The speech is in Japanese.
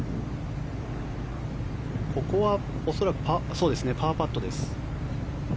ここは恐らくパーパットです。